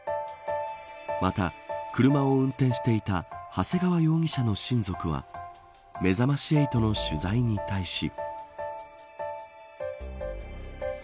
また、車を運転していた長谷川容疑者の親族はめざまし８の取材に対し。